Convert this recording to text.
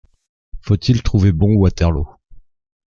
Faut-il trouver bon Waterloo ?